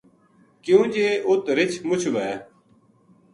کیوں جے اُت رچھ مُچ وھے